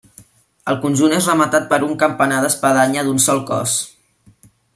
El conjunt és rematat per un campanar d'espadanya d'un sol cos.